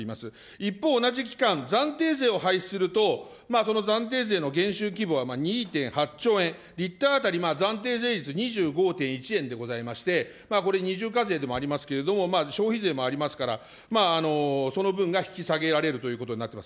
一方、同じ期間、暫定税を廃止すると、その暫定税の減収規模は２．８兆円、リッター当たり暫定税率２５．１円でございまして、これ、二重課税でもありますけれども、消費税もありますから、その分が引き下げられるということになっています。